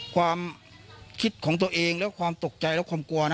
ความคิดของตัวเองและความตกใจและความกลัวนะ